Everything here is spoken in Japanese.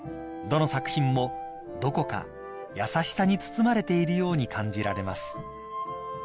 ［どの作品もどこか優しさに包まれているように感じられます］